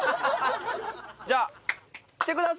じゃあ来てください。